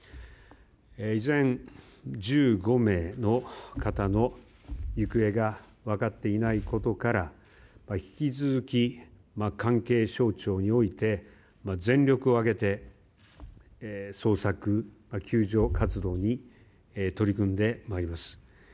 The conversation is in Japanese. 依然１５名の方の行方が分かっていないことから引き続き、関係省庁において全力を挙げて、捜索、救助活動に取り組んでまいります。